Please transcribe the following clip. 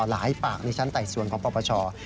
หลายปากในชั้นไต่สวนของปปช